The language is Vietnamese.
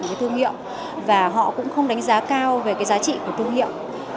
nhiều doanh nghiệp việt nam cũng không đánh giá cao về cái giá trị của doanh nghiệp